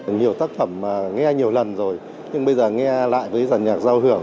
nhiều tác phẩm nghe nhiều lần rồi nhưng bây giờ nghe lại với giàn nhạc giao hưởng